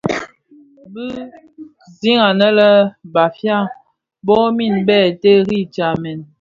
Bi sig anë lè Bafia bomid bè terri tsamèn.